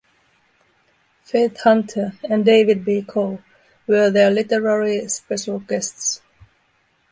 Faith Hunter and David B. Coe were their literary special guests.